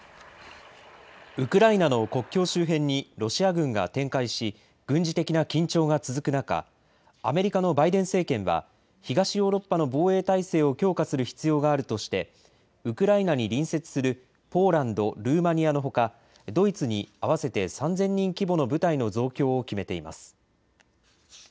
ウクライナの国境周辺にロシア軍が展開し、軍事的な緊張が続く中、アメリカのバイデン政権は、東ヨーロッパの防衛態勢を強化する必要があるとして、ウクライナに隣接するポーランド、ルーマニアのほか、ドイツに合わせて３０００人規模の部隊の増強を決めています。